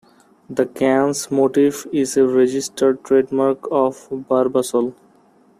The can's motif is a registered trademark of Barbasol.